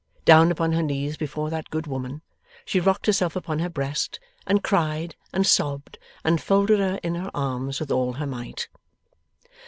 Down upon her knees before that good woman, she rocked herself upon her breast, and cried, and sobbed, and folded her in her arms with all her might.